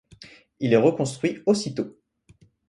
Il est reconstruit aussitôt.